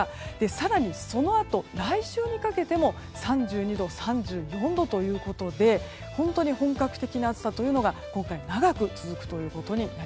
更にそのあと来週にかけても３２度、３４度ということで本当に本格的な暑さというのが今回、長く続くということです。